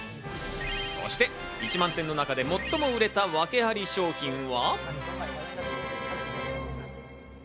そして１万品の中で最も売れた訳あり商品は。